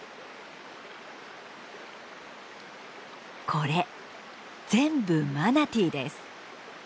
これ全部マナティーです。